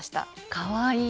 かわいい。